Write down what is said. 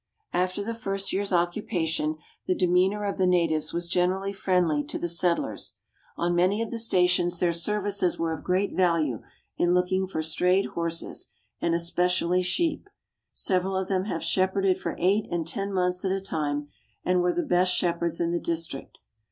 After the first year's occupation, the demeanour of the natives was generally friendly to the settlers. On many of the stations their services were of great value in looking for strayed horses, and especially sheep. Several of them have shepherded for eight and ten months at a time, and were the best shepherds in the district.